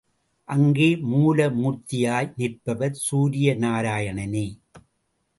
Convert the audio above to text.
அங்கே மூல மூர்த்தியாய் நிற்பவர் சூரிய நாராயணனே.